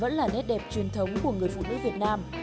vẫn là nét đẹp truyền thống của người phụ nữ việt nam